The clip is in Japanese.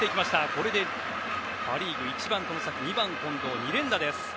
これでパ・リーグ１番、外崎２番、近藤の２連打です。